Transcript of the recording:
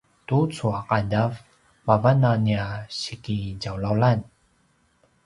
tucu a ’adav mavan a nia sikitjawlawlan